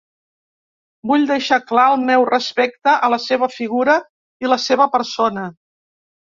Vull deixar clar el meu respecte a la seva figura i la seva persona.